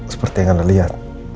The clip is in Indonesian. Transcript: seperti yang anda lihat